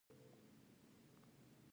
پسه د افغانستان د کلتوري میراث برخه ده.